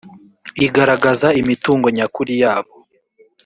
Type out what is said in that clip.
igaragaza imitungo nyakuri yabo